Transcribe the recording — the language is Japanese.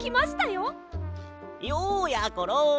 ようやころ。